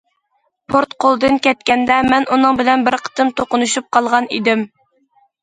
پورت قولدىن كەتكەندە، مەن ئۇنىڭ بىلەن بىر قېتىم توقۇنۇشۇپ قالغان ئىدىم.